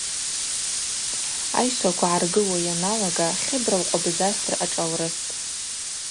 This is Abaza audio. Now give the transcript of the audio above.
Айшваква гӏаргылуа йаналага, Хьыбра лкъвабызасра ашӏалрыстӏ.